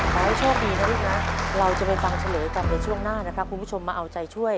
ขอให้โชคดีนะลูกนะเราจะไปฟังเฉลยกันในช่วงหน้านะครับคุณผู้ชมมาเอาใจช่วย